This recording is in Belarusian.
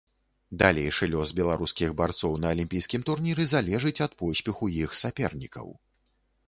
Далейшы лёс беларускіх барцоў на алімпійскім турніры залежыць ад поспеху іх сапернікаў.